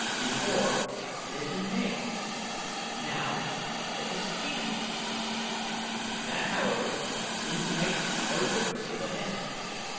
Before it had been male now it was female. That, however, seemed to make no difference to the head.